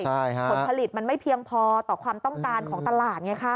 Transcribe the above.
ผลผลิตมันไม่เพียงพอต่อความต้องการของตลาดไงคะ